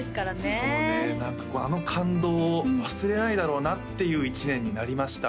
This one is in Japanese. そうね何かあの感動を忘れないだろうなっていう１年になりました